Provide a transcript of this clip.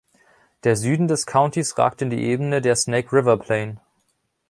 Der Süden des Countys ragt in die Ebene der Snake River Plain.